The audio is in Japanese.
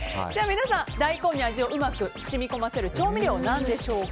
皆さん大根に味をうまく染み込ませる調味料は何でしょうか。